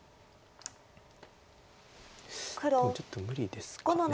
でもちょっと無理ですか。